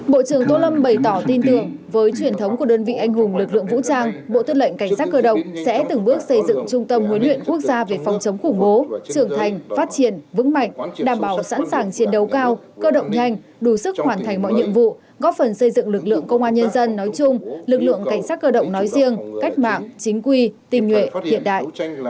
bộ trưởng tô lâm bày tỏ tin tưởng với truyền thống của đơn vị anh hùng lực lượng vũ trang bộ tư lệnh cảnh sát cơ động sẽ từng bước xây dựng trung tâm huấn luyện quốc gia về phòng chống khủng bố trưởng thành phát triển vững mạnh đảm bảo sẵn sàng chiến đấu cao cơ động nhanh đủ sức hoàn thành mọi nhiệm vụ góp phần xây dựng lực lượng công an nhân dân nói chung lực lượng cảnh sát cơ động nói riêng cách mạng chính quy tìm nguyện hiện đại